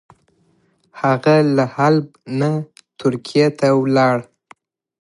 هغه له حلب نه ترکیې ته ولاړ.